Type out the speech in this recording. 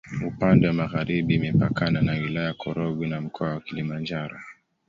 Upande wa magharibi imepakana na Wilaya ya Korogwe na Mkoa wa Kilimanjaro.